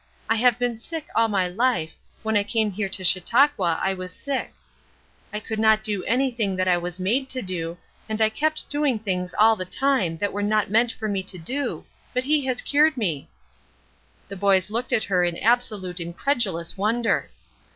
I have been sick all my life, when I came here to Chautauqua I was sick. I could not do anything that I was made to do, and I kept doing things all the time that were not meant for me to do, but he has cured me." The boys looked at her in absolute incredulous wonder.